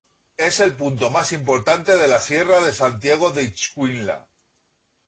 Es el punto más importante de la Sierra de Santiago Ixcuintla.